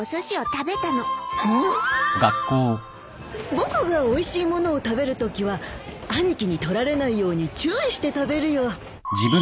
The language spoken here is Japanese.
僕がおいしい物を食べるときは兄貴に取られないように注意して食べるよ。